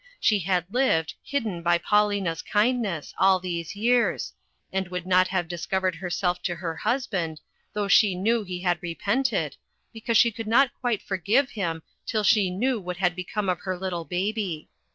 She had lived, hidden by Paulina's kindness, all these years, and would not have discovered herself to her husband, though she knew he had repented, because she could not quite forgive him till she knew what had be come of her little baby.